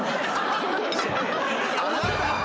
・あなた！